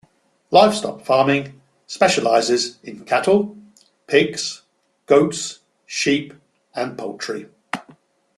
Livestock farming specializes in cattle, pigs, goats, sheep, and poultry.